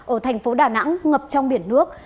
ở thành phố đà nẵng ngập trong biển nước